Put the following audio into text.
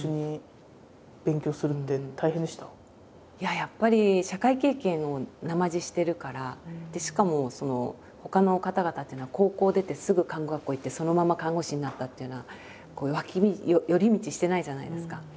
やっぱり社会経験をなまじしてるからしかもほかの方々っていうのは高校を出てすぐ看護学校行ってそのまま看護師になったっていうような寄り道してないじゃないですか。